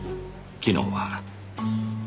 昨日は。